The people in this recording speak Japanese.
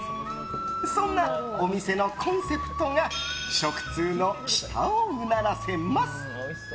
そんなお店のコンセプトが食通の舌をうならせます。